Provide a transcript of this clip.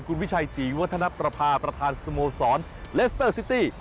คุณวิชัยศรีวัฒนประพาประธานสโมสรเลสเตอร์ซิตี้